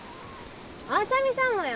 浅見さんもや。